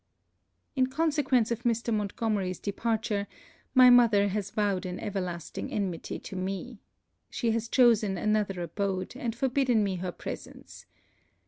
In consequence of Mr. Montgomery's departure, my mother has vowed an everlasting enmity to me. She has chosen another abode, and forbidden me her presence.